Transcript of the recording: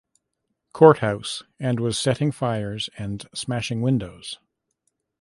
Courthouse and was setting fires and smashing windows.